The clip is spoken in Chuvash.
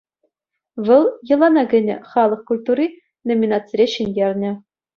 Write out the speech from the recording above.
Вӑл «Йӑлана кӗнӗ халӑх культури» номинацире ҫӗнтернӗ.